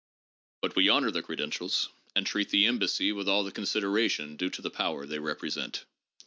But we honor the credentials, and treat the embassy with all the consideration due to the power they represent.